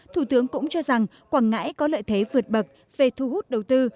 thủ tướng cũng cho rằng quảng ngãi có lợi thế vượt bậc về thu hút đầu tư